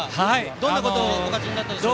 どんなことをお感じになりましたか。